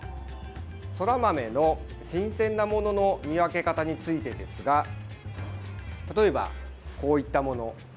そら豆の新鮮なものの見分け方ですが例えばこういったもの。